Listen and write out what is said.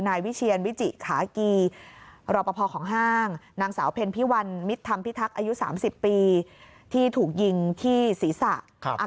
นายวิเชียนวิจิขากีรอปภของห้างนางสาวเพ็ญพิวัลมิตรธรรมพิทักษ์อายุ๓๐ปีที่ถูกยิงที่ศีรษะ